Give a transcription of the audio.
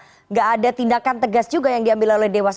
tidak ada tindakan tegas juga yang diambil oleh dewas